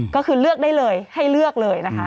ก็คือเลือกได้เลยให้เลือกเลยนะคะ